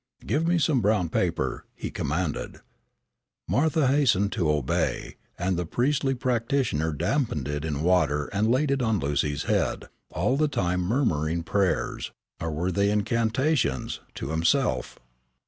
"Give me some brown paper," he commanded. Martha hastened to obey, and the priestly practitioner dampened it in water and laid it on Lucy's head, all the time murmuring prayers or were they incantations? to himself.